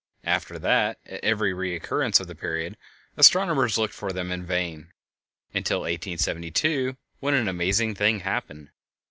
After that, at every recurrence of their period, astronomers looked for them in vain, until 1872, when an amazing thing happened.